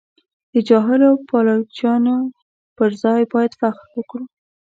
د جاهلو پایلوچانو پر ځای باید فخر وکړو.